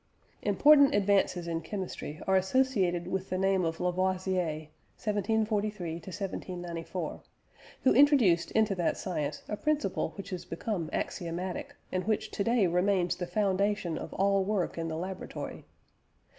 Important advances in chemistry are associated with the name of Lavoisier (1743 1794), who introduced into that science a principle which has become axiomatic, and which to day remains the foundation of all work in the laboratory.